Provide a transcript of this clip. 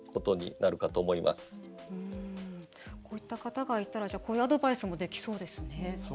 こういった方がいればこういったアドバイスもできそうですね。